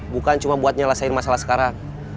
bukan cuma buat nyelesaikan masalah sekarang